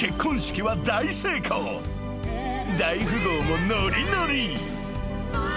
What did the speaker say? ［大富豪もノリノリ］